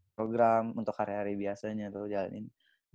program untuk hari hari biasanya tuh jalanin